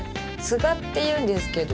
都賀っていうんですけど。